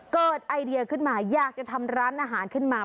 ไอเดียขึ้นมาอยากจะทำร้านอาหารขึ้นมา